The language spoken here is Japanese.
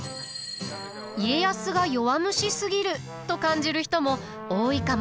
家康が弱虫すぎると感じる人も多いかもしれません。